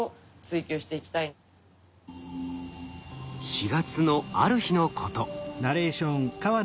４月のある日のこと。